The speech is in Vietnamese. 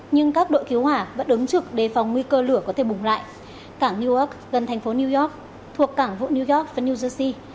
nhưng các đội cứu hỏa vẫn đứng trực để phòng nguy cơ lửa có thể bùng lại cảng newark gần thành phố new york thuộc cảng vụ new york và new jersey